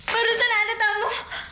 barusan ada tamu